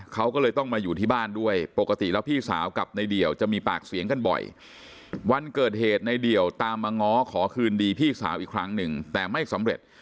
เขาก็เลยต้องมาอยู่ที่บ้านด้วยปกติแล้วพี่สาวกับในเดี่ยวจะมีปากเสียงกันบ่อยวันเกิดเหตุในเดี่ยวตามมาง้อขอคืนดีพี่สาวอีกครั้งหนึ่งแต่ไม่สำเร็จ